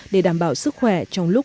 để đảm bảo sức khỏe trong lúc